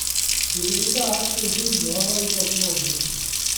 Dw i ddim yn dallt 'i hiwmor o i fod yn onest.